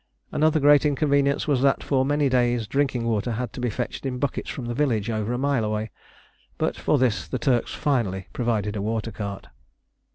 Another great inconvenience was that for many days drinking water had to be fetched in buckets from the village over a mile away; but for this the Turks finally provided a water cart.